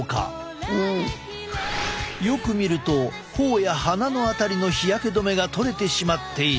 よく見ると頬や鼻の辺りの日焼け止めが取れてしまっている。